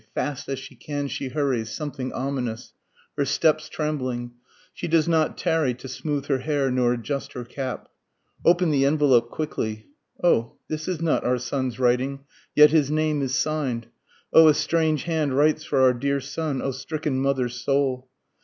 Fast as she can she hurries, something ominous, her steps trembling, She does not tarry to smooth her hair nor adjust her cap. Open the envelope quickly, O this is not our son's writing, yet his name is sign'd, O a strange hand writes for our dear son, O stricken mother's soul!